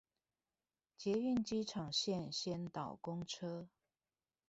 捷運機場線先導公車